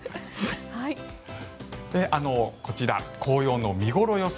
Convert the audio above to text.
こちら紅葉の見頃予想